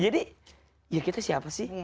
jadi ya kita siapa sih